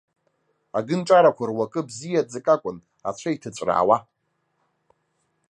Агынҿарақәа руакы бзиаӡак акәын, ацәа иҭыҵәраауа.